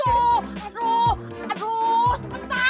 aduh aduh cepetan